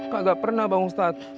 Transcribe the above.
kagak pernah bang ustadz